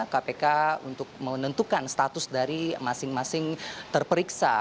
kpk untuk menentukan status dari masing masing terperiksa